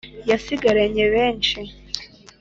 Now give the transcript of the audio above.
yasigaranye benshi